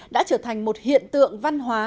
đã trở thành một hiện tượng văn hóa